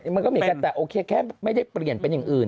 มันก็เหมือนกันแต่โอเคแค่ไม่ได้เปลี่ยนเป็นอย่างอื่น